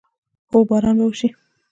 هو، باران به وشي